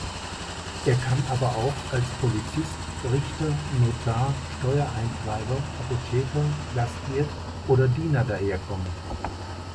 Er kann aber auch als Polizist, Richter, Notar, Steuereintreiber, Apotheker, Gastwirt oder Diener daherkommen.